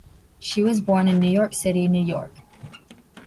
She was born in New York City, New York.